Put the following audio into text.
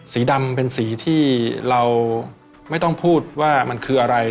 สีดำเป็นสีที่เราไม่ต้องพูดว่ามันคืออะไร